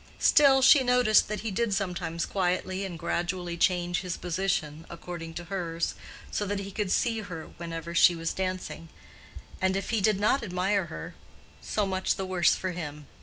Still, she noticed that he did sometimes quietly and gradually change his position according to hers, so that he could see her whenever she was dancing, and if he did not admire her—so much the worse for him.